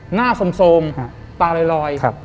หน้าสมตาลอย